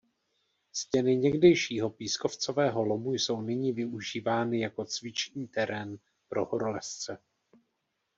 Stěny někdejšího pískovcového lomu jsou nyní využívány jako cvičný terén pro horolezce.